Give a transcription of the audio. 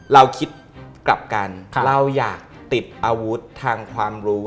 เราคิดกลับกันเราอยากติดอาวุธทางความรู้